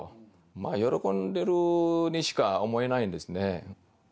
まあ喜んでるにしか思えないんですね。